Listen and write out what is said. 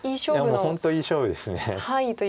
いやもう本当いい勝負です。